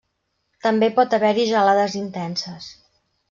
També pot haver-hi gelades intenses.